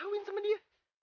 aku kawin sama dia